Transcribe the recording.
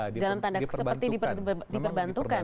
dalam tanda seperti diperbantukan